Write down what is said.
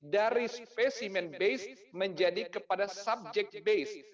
dari specimen base menjadi kepada subject base